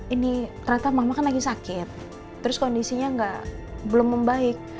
ini rata mama kan lagi sakit terus kondisinya belum membaik